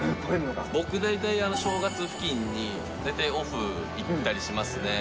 僕大体、正月付近に大体オフ行ったりしますね。